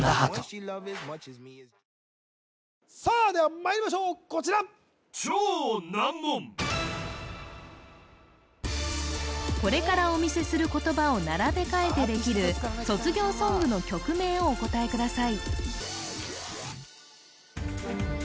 まいりましょうこちらこれからお見せする言葉を並べ替えてできる卒業ソングの曲名をお答えください